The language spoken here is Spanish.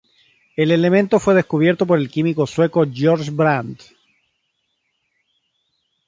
El elemento fue descubierto por el químico sueco George Brandt.